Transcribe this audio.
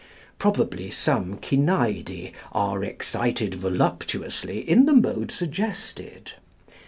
Probably some cinædi are excited voluptuously in the mode suggested.